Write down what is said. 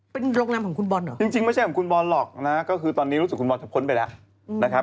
เป็นโรงแรมของคุณบอลเหรอจริงไม่ใช่ของคุณบอลหรอกนะก็คือตอนนี้รู้สึกคุณบอลจะพ้นไปแล้วนะครับ